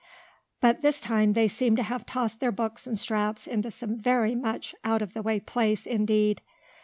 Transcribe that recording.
But this time they seemed to have tossed their books and straps into some very much out of the way place, indeed.